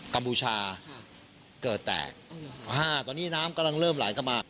กัมพูชาค่ะเกิดแตกอ๋อห้าตอนนี้น้ำกำลังเริ่มหลายกลับมา